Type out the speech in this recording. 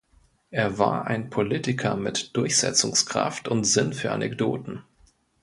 Er war ein Politiker mit Durchsetzungskraft und Sinn für Anekdoten.